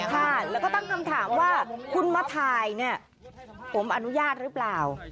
ค่ะแล้วก็ตั้งคำถามว่าคุณมาถ่ายเนี่ยผมอนุญาตหรือเปล่า